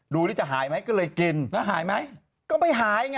ดูดิจะหายไหมก็เลยกินแล้วหายไหมก็ไม่หายไง